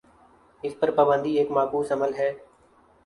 اس پر پابندی ایک معکوس عمل ہے۔